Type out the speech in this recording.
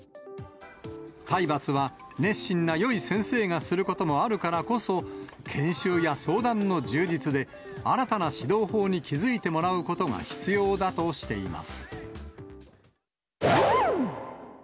体罰は熱心なよい先生がすることもあるからこそ、研修や相談の充実で、新たな指導法に気付いてもらうことが必要だとしています。